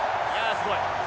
すごい。